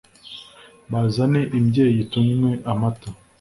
Bazane imbyeyi tunywe amata